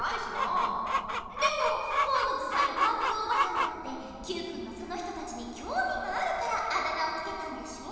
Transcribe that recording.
でもホームズさんやパープルおばさんだってＱくんがその人たちにきょうみがあるからあだ名をつけたんでしょ？